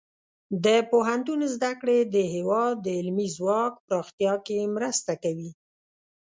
د پوهنتون زده کړې د هیواد د علمي ځواک پراختیا کې مرسته کوي.